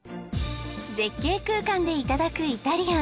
絶景空間でいただくイタリアン